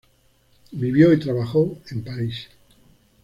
Vivió y trabajó en París.